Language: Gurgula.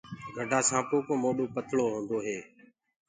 گَڊآ سآنپو ڪو موڏو پتݪو هوندو هي۔